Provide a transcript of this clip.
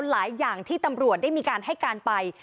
หลายอย่างที่ตำรวจได้มีการให้การไป